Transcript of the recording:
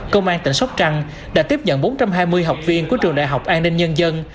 công an tỉnh sóc trăng đã tiếp nhận bốn trăm hai mươi học viên của trường đại học an ninh nhân dân